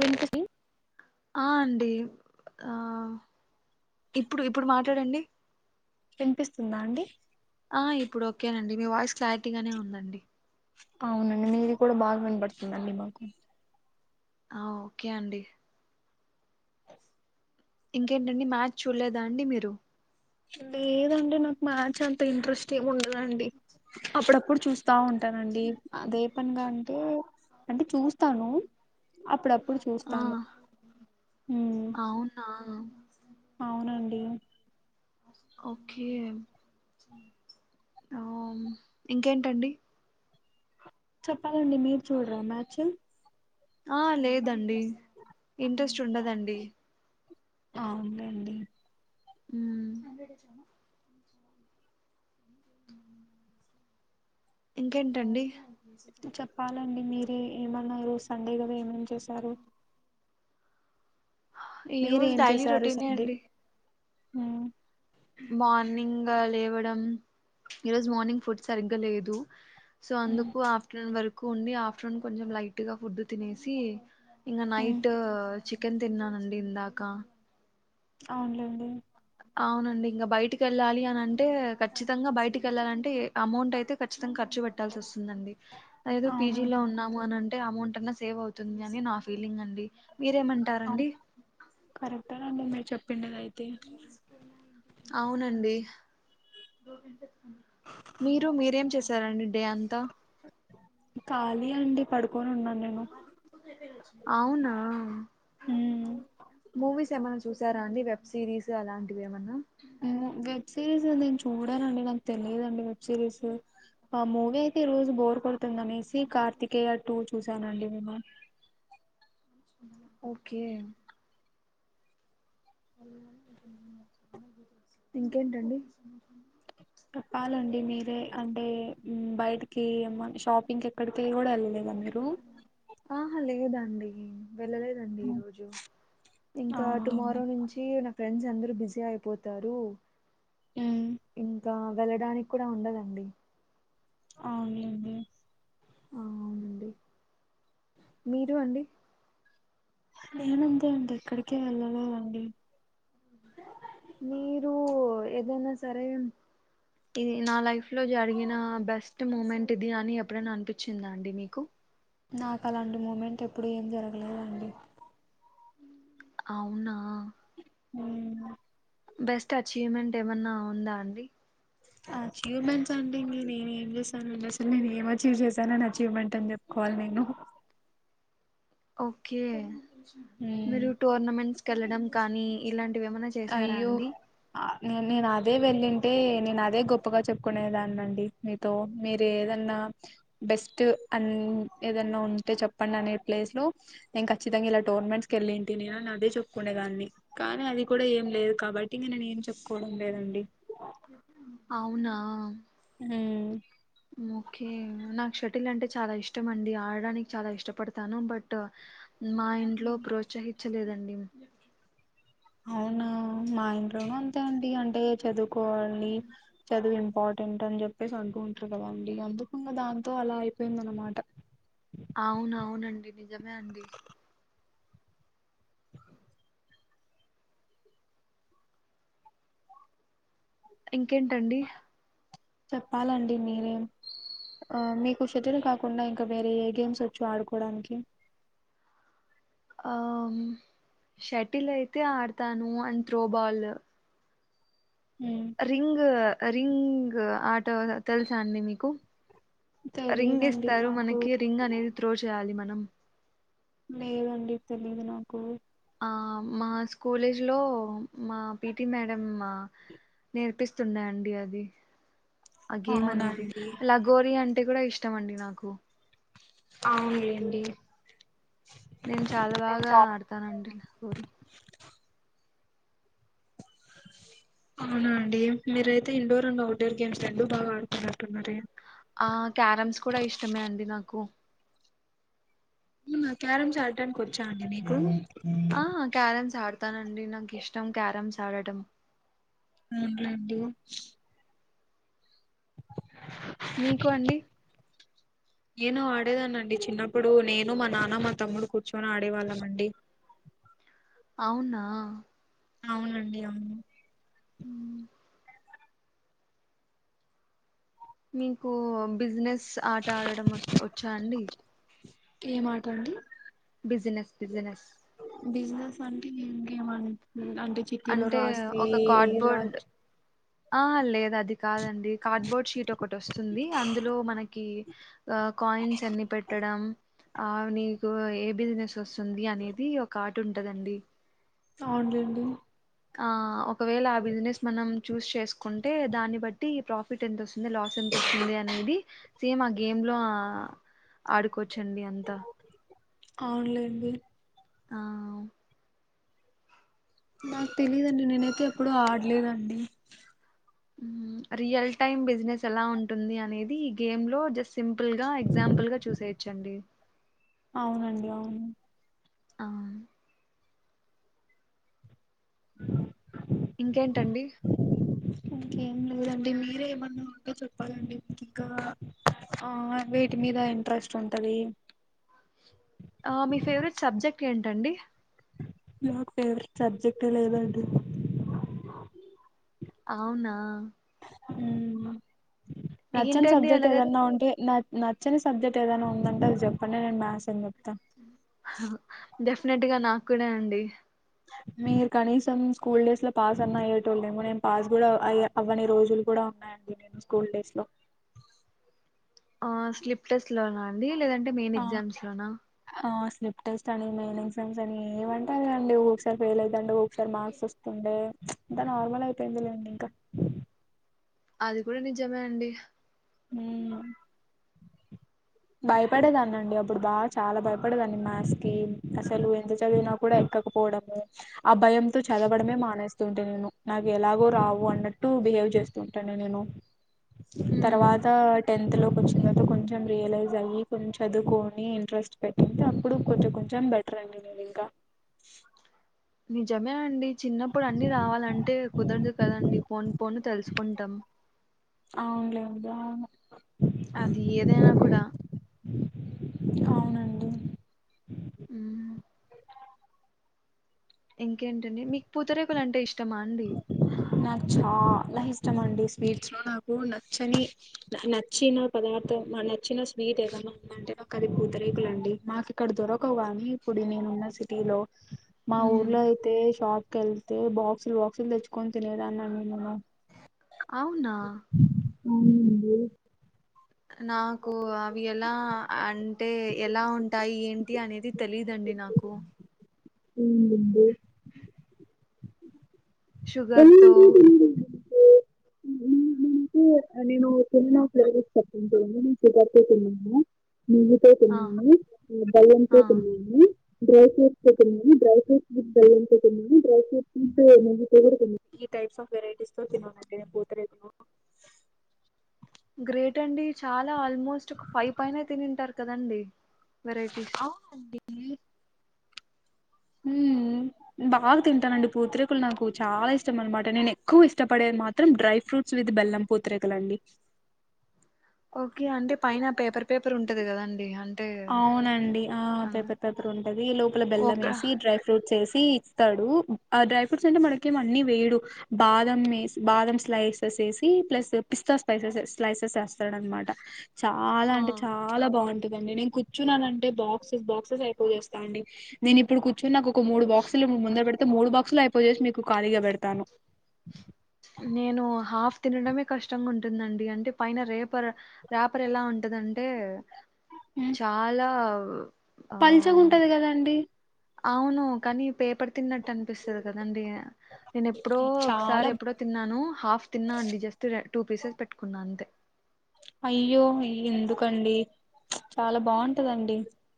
వినిపి ఆ అండి ఆ ఇప్పుడు ఇప్పుడు మాట్లాడండి వినిపిస్తుందా అండి అ ఇప్పుడు ఓకేనండి మీ వాయిస్ క్లారిటీగానే ఉందండి అవునండి మీది కూడా బాగా వినపడుతుందిండి మాకు ఆ ఓకే అండి ఇంకేంటండి మ్యాచ్ చూడలేదా అండి మీరు లేదంటే నాకు మ్యాచ్ అంత ఇంట్రెస్ట్ ఏ ఉండదండి అప్పుడప్పుడు చూస్త స్తా ఉంటానండి అదే పనిగా అంటే అంటే చూస్తాను అప్పుడప్పుడు ఆ చూస్తాను మ్ అవునా అవునండి మ్ ఓకే అ ఇంకేంటండి చెప్పాలండి మీరు చూడరా మ్యాచ్ ఆ లేదండి ఇంట్రెస్ట్ ఉండదండి అవుందండి మ్ ఇంకేంటండి [unintelligible] మీర ఏమన్న రో సండే కదా ఏమమి చేశారు ఈ రోజు డైలీ రొటీనే అండి ఆ మార్నింగ్ లేవడం, ఈరోజు మార్నింగ్ ఫుడ్ సరిగ్గా లేదు, సో అందుకు ఆఫ్టర్నూన్ వరకు ఉండి ఆఫ్టర్నూన్ కొంచెం లైట్గా ఫుడ్ తినేసి, ఇంకా మ్మ్ నైట్ చికెన్ తిన్నానండి ఇందాక అవునులేండి అవునండి ఇంకా బయటికి వెళ్ళాలి అని అంటే, ఖచ్చితంగా బయటికి వెళ్ళాలంటే అమౌంట్ అయితే ఖచ్చితంగా ఖర్ ర్చ పెట్టాల్సి వస్తుందండి ఏదేదో పీజీలో అవునండి ఉన్నాము అ అంటే అమౌంట్ అన్నా సేవ్ అవుతుంది అని నా ఫీలింగ్ అండి మీరేమంటారండి చెప్పిండది అయితే అవునండి మీరు మీరేం చేస్త సరే అండి డే అంతా ఖాళీ అండి పడు కోను ఉన్నా నేను అవునా మూవిస్ ఏమైన్నా చూసారా అండి వెబ్ సిరీస్ అలాంటివి ఏమన్నా వెబ్ సిరీస్ నేను చూడనండి నాకు తెలియదుండి వెబ్ సిరీస్ ఆ మూవీ అయితే ఈ రోజు బోర్ కొడుతుందని నమేసి కార్తికేయ టూ చూసానండి మేమ ఓకే ఇంకేంటండి చెప్పాలండి మీరే అంటే బయటికి షాపింగ్కి ఎక్కడికి కూడా వెళ్ళలేదా మీరు అండి వెళ్ళలేదండి ఈ రోజు ఇంకా అవునులేండి టుమారో నుంచి ఫ్రెండ్స్ అందరుూ బిజీ అయిపోతారు ఉమ్ ఇం త వెళ్ళడానికి కూడా ఉండదండి అవున్లెండి ఆ అవునండి మీరు అండి నేనుంతే అండి ఎక్కడికే వెళ్ళాల అండి మీరు ఏదైనా సరే ఇది నా లైఫ్ లో జరిగిన బెస్ట్ మూమెంట్ ఇది అని ఎప్పుడైనా అనిపించిందా అండి మీకు నాకు అలాంటి మూమెంట్ ఎప్పు ఇప్పుడు ఏం జరగలేదు అండి అవునా హ బెస్ట్ అచీవ్మెంట్ ఏమన్నా ఉందా అండి అచీవ్మెంట్స్ అంటేం నేను ఏం చేస్తానుండి అసలు నేను ఏం అచీవ్ చేశాను అని అచీవ్మెంట్ అని చెప్పుకోవాలి నేను ఓకే ఉమ్ మీరు టోర్నమెంట్స్ క వెళ్లడం కానీ ఇలాంటి వేమన్నా చేశారా అయ్యో అండి నేను అదే వెళ్ళింటే నేను అదే గొప్పగా చెప్పుకునేదాన్ని అండి మీతో మీరు ఏదన్నా బెస్ట్ అ ఏదన్నా ఉంటే చెప్పండి అనే ప్లేస్ లో నేను ఖచ్చితంగా ఇలా టోర్నమెంట్స్ కెళ్ళింటి నేను అని అదే చెప్పుకునేదాన్ని కానీ అది కూడా ఏం లేదు కాబట్టి ఇక నేను ఏం చెప్పును పోడం లేదండి అవునా ఉమ్ ఓఖే నాక్షక్షత్ర వాటిల్ అంటే చాలా ఇష్టం అండి ఆడడానికి చాలా ఇష్టపడతాను బట్ మా ఇంట్లో ప్రోత్సహించలేదండి అవునా మా ఇంట్లోన అంతే అండి అంటే చదువుకోవాలి చదివి. ఇంపార్టెంట్ అని చెప్పేసి అంటంటారు గద అందుకంగా దాంతో అలా అయిపోయింది అనమాట. అవున అవునండి నిజమే అండి ఇంకేంటండి. చెప్పాలండి మీరే ఆ మీకు చెటిల్ కాకుండా ఇంకా వేరే ఏ గేమ్స్ వొచ్చు ఆడుకోవడానికి. ఆ షటిల్ అయితే ఆడతాను అండ్ త్రోబాల్. ఉమ్. రింగ్ అ రింగ్. ఆటో తెలుసా అండి మీకు. రింగ్ తెలీదండి ఇస్తారు నాకు మనకి రింగ్ అనేది త్రో చేయాలి మన. న లేదండి తెలిదు నాకు. ఆ మా స్కూలేజ్లో మా పిటి మేడం మ నేర్పిస్తున్నాండి అది. అగేం అనేది అవునండి లగోరి అం. అది కూడా ఇష్టం నాకు. అవునులేండి. నేను చాలా నేను బాగా చాలా ఆడతానండి ఊరి. అవునా అండి మీరయితే ఇండోర్ అండ్ అవుట్డోర్ గేమ్స్ రెండూ బాగా ఆడుతు న్నట్టున్నారె. ఆ క్యారమ్స్ కూడా ఇష్టమే అండి నాకు. అ క్యారంమ్స్ ఆడానికి వచ్చా అండి నీకు. ఆ క్యారమ్స్ ఆడు. అనండి నాకు ఇష్టం క్యారంమ్స్ ఆడటం. [unintelligible] మీకు అండి. నేను ఆడేదాన అండి చిన్నప్పుడు నేను మా నాన్న మా తమ్ముడు కూర్చొని ఆడేవాళ్ళం అండి. అవునా. అవునండి అవును. హ మీకు బిజినెస్ ఆట ఆడడం వొచ్చా అండి. ఏ మాటండి. Business business. బిజినెస్ అంటే గేమ మ. అంటే చిటీలో అంటే రాస్తే ఒక రాజ. కార్డ్బోర్డ్ ఆ లేదు అది కాదండి, కార్డ్బోర్డ్ షీట్ ఒకటి వస్తుంది, అందులో మనకి ఆ కాయిన్స్ ఎన్ని పెట్టడం. ఆ నీకు ఏ బిజినెస్. వస్తుంది అనేది ఒక అర్ట్. ఎట్ంటదండి. అవులేండి. ఆ ఒకవేళ ఆ బిజినెస్ మనం చూసీ చేసుకుంటే, దాన్ని బట్టి ప్రాఫిట్ ఎంతొస్తుంది లాస్ ఎంతొస్తుంది అనేది, సేమ్ ఆ గేమ్ లో ఆడుకోవచ్చండి అంత. అవునులేండి ఆ నాకు తెలియదండి నేనైతే ఎప్పుడూ ఆడలేదండి రియల్ టైమ్ బిజినెస్ ఎలా ఉంటుంది అనేది ఈ గేమ్ లో జస్ సింపుల్ గా ఎగ్జాంపుల్ గా చూసేయి చండి అవునండి అవును అవున్ ఇంకేంటండి ఇంకేం లేదండి మీరే ఏమన్నా ఉంటే చెప్పాలండి మీకు ఇంకా ఆ వేటి మీద ఇంట్రెస్ట్ ఉంటది ఆ మీ ఫేవరెట్ సబ్జెక్ట్ ఏంటండి నాకు ఫేవరెట్ సబ్జెక్ట్ ఏ లేదండి అవునా మ్మ్ నచ్చని ఏంటండి సబ్జెక్ట్ అలాగా ఏదన్నా ఉంటే న నచ్చిని సబ్జెక్ట్ ఏదైనా ఉందంటే అది చెప్పండి నేను మ్యాథ్స్ అని చెప్తా హా డెఫ్ డెఫినెట్ గా నాకు కూడా అండి మీరు కనీసం స్కూల్ డేస్ లో పాస్ అన్న అయ్యేటోళ్ళేమో నేను పాస్ కూడా ఆయా అవ్వని రోజులు కూడా ఉన్నాయండి నేను స్కూల్ డేస్ లో ఆ స్లిప్ టెస్ట్ లా నా అండి లేద అంటే మెయిన్ ఆ ఎగ్జామ్స్ లోనా ఆ స్లిప్ టెస్ట్ అని మెయిన్ ఎగ్జామ్స్ అని ఏమంటాదండి ఒొక్కసారి ఫెయిల్ అవుతుండి ఒక్కసారి మార్క్స్ వస్తుండే అంత నార్మల్ అయిపోయిందిలేండి ఇంకా అది కూడా నిజమే అండి భయపడేదాన్ని అండి అప్పుడు బా చాలా భయపడేదాన్ని మ్యాథ్స్ కి అసలు ఎంత చదివినా కూడా ఎక్కకపోవడము ఆ భయంతో చదవడమే మానేస్తుంటే నేను నాకు ఎలాగో రావు అన్నట్టు బిహేవ్ చేస్తుంటాను నేను ఉమ్ తర్వాత్ టెన్త్ లోకి వచ్చిన తర్వాత కొంచెం రియలైజ్ అయ్యి కొంచ చదువుకొని ఇంట్రెస్ట్ పెట్టింట అప్పుడు కొంచెం కొంచెం బెటర్ అండి నేను ఇంకా నిజమే అండి చిన్నప్పుడు అన్ని రావాలంటే కుదరదు కదండి పోను పోను తెలుసుకుంటాం అవునులేండి గాను అది ఏదైనా కూడా అవునండి హుమ్ ఇంకేంటండి మీకు పూతరేకులు అంటే ఇష్ నాకు చాలా ఇష్టం అండి స్వీట్స్ లో నాక్ నాకు నచ్చని నచ్చిన పదార్థం నచ్చిన స్వీట్ ఏదైన్నా ఉందంటే ఒక అది పూతరేకులుండి మాకు ఇక్కడ దొరకవు గానీ ఇప్పుడు నేనున్న సిటీలో మా ఉమ్ ఊర్లో అయితే షాక్ కల్ తే బాక్సు లు బా క్సు లు తెచ్చు కొని తినేదాన్న నేనునా అవునా అవును ఏ నాకు అవి ఎలా అంటే ఎలా ఉంటాయి ఏంటి అనేది తెలీయదండి నాకు ఎందండీ షుగర్ తో నేతే నేను చినా ఫ్లేవర్స్ చెప్పించడి నేను సపార్తోతున్నాను నువుతో ఆ కొన్నాను ఆ భయంతో కొన్నాను డ్రై ఫ్రూట్స్ పెతున్నాం డ్రై ఫ్రూట్స్ బ బయ్యం పెతుందిన్నాడి డ్రై ఫ్రూట్స్ బ ఈ టైప్స్ ఆఫ్ వెరైటీస్ తో తినాలి అండి పూత రేకులు గ్రేట్ అండి చాలా ఆల్మోస్ట్ ఒక ఫైవ్ పైన తినింటారు కదండి వెరైటీస్ అవుననండి ఉ బాగా తింటానండి పూత్రేకలు నాకు చాలా ఇష్టం అనమాట, నేను ఎక్కువ ఇష్టపడేది మాత్రం డ్రై ఫ్రూట్స్ విత్ బెల్లం పూత్రకలు అండి. ఓకే అంటే పైన పేపర్ పేపర్ ఉంటది కదాండి అ అవునండి ఆ పేపర్ పేపర్ ఉంటది లోపల బెల్లం ఒక వేసి డ్రై ఫ్రూట్స్ వేసి సి ఇస్తాడు ఆ డ్రై ఫ్రూట్స్ అంటే మనకేమ అన్ని వేయడు బాదం వే బాదం స్లైసెస్ వేసి ప్లస్ పిస్తా స్పైసెస్ స్లైసెస్ వేస్తాడు అనమాట. చాలా ఆ అంటే చాలా బాగుంట [unintelligible] కూర్చున్నాను అంటే బాక్సెస్ బాక్సెస్ అయిపో చేస్తా అండి నేను ఇప్పుడు కూర్చుని కు ఒక మూడు బాక్షులు ముందు పె అతే మూడు బాక్సులు అయిపోయేసి మీకు ఖాళీగా పెడతాను నేను హాఫ్ తినడమే కష్టంగా ఉంటుందండి అంటే పైన రేపర్ రేపర్ ఎలా ఉంటందంటే ఉమ్, చాలా ఆ పల్చగా ఉంటది కదాండి అవును కానీ పేపర్ తిన్న అనిపిస్తుంది కదండి నేను ఎప్పుడో ఒకసారి చాలా ఎప్పుడో తిన్నాను హాఫ్ తిన్నా అండి జస్ట్ టూ పీసెస్ పెట్టుకున్నా అంతే అయ్యో అయ్య ఎందుకండి, చాలా బాగుంటదండి,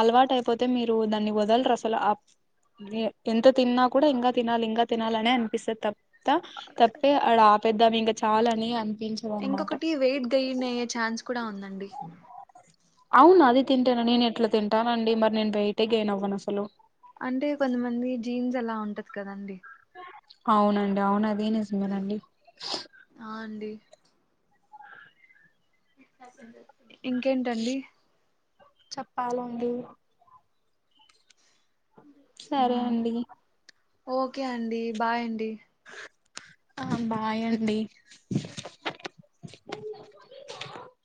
అలవాటు అయిపోతే, మీరు దాన్ని వదలరు అసలు ఎంత తిన్నా కూడా ఇంకా తినాలి, ఇంకా తినాలినే అనిపిస్తుంది తప్ప త తప్పే ఆడ ఆపిద్దాం ఇంకా చాలని అ ఎంగ కుటి వెయిట్ గైన్ అ ఛాన్స్ కూడా ఉందండి అవును అది తింటాను, నేను ఎట్లా తింటానండి, మరి నేను వెయటే గయన్ అవ్వను అసలు ఎలా ఉంటది కదండి అవునండి అవును అదే నిజమేనండి ఆ అండి ఇంకేంటండి చెప్పాలండి సరే అండి ఓకే అండి బాయ్ అండి ఆ బాయ్ అండి